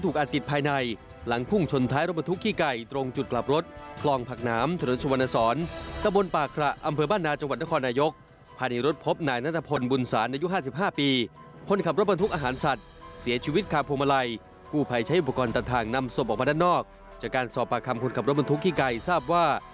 ก่อนตัดทางนำศพออกมาด้านนอกจากการสอบประคำคนขับรถบรรทุกที่ไกลทราบว่า